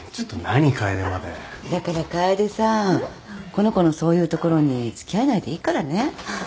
この子のそういうところに付き合わないでいいからね。